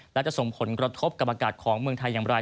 และจะส่งผลกระทบกับอากาศของเมืองไทยอย่างไร